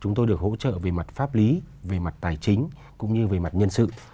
chúng tôi được hỗ trợ về mặt pháp lý về mặt tài chính cũng như về mặt nhân sự